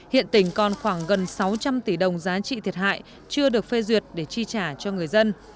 hiện tỉnh còn khoảng gần sáu trăm linh tỷ đồng giá trị thiệt hại chưa được phê duyệt để chi trả cho người dân